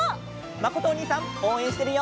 まことおにいさんおうえんしてるよ。